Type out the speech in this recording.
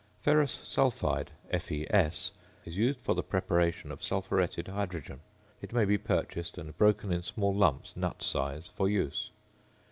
~Ferrous Sulphide~ (FeS) is used for the preparation of sulphuretted hydrogen. It may be purchased and broken in small lumps, nut size, for use.